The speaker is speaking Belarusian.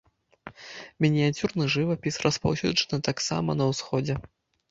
Мініяцюрны жывапіс распаўсюджаны таксама на ўсходзе.